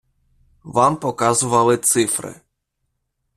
Вам показували цифри.